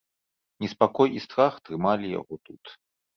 Неспакой і страх трымалі яго тут.